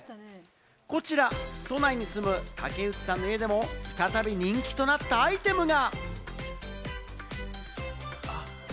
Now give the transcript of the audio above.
こちら都内に住む竹内さんの家でも再び人気となったアイテムが。